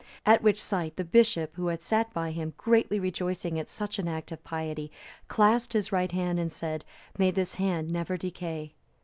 At which sight, the bishop who sat by him, greatly rejoicing at such an act of piety, clasped his right hand and said, "May this hand never decay."